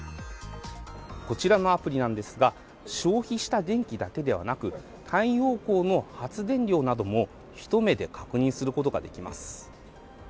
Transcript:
こちらのアプリなんですが消費した電気だけではなく太陽光の発電量なども一目で確認することができます。